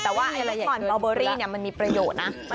แต่ว่าเรล็กขอร์นเบออร์รี่มันมีประโยชน์นะ